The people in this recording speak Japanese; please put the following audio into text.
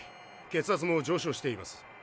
血圧も上昇しています。